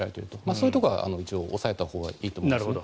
そういうところは押さえたほうがいいと思います。